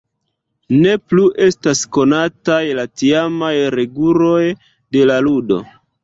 Ne plu estas konataj la tiamaj reguloj de la ludo.